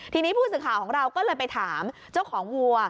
ทีนี้ผู้สื่อข่าวของเราก็เลยไปถามเจ้าของวัว